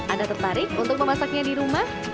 anda tertarik untuk memasaknya di rumah